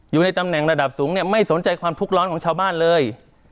อยู่ในตำแหน่งระดับสูงเนี่ยไม่สนใจความทุกข์ร้อนของชาวบ้านเลย